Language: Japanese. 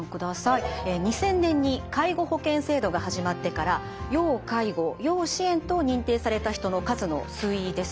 ２０００年に介護保険制度が始まってから要介護・要支援と認定された人の数の推移です。